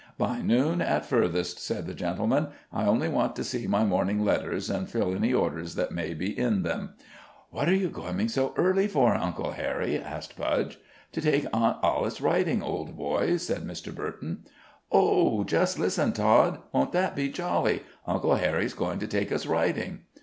"By noon, at furthest," said the gentleman. "I only want to see my morning letters, and fill any orders that may be in them." "What are you coming so early for, Uncle Harry?" asked Budge. "To take Aunt Alice riding, old boy," said Mr. Burton. "Oh! just listen, Tod! Won't that be jolly? Uncle Harry's going to take us riding!"